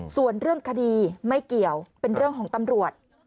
ส่วนเรื่องคดีไม่เกี่ยวเป็นเรื่องของตำรวจ